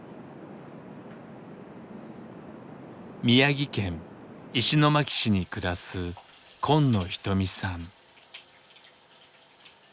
宮城県石巻市に暮らす今野ひとみさん。